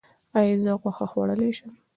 ایا زه غوښه خوړلی شم؟